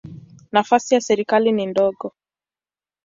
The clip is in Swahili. Nafasi ya serikali ni ndogo.